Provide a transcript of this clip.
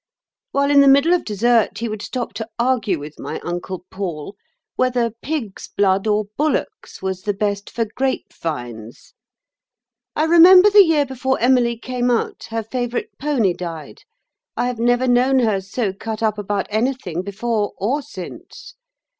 While in the middle of dessert he would stop to argue with my Uncle Paul whether pig's blood or bullock's was the best for grape vines. I remember the year before Emily came out her favourite pony died; I have never known her so cut up about anything before or since.